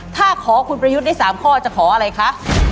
ถ้าขอคุณประยุทธ์ได้๓ข้อจะขออะไรคะ